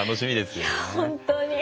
いや本当に。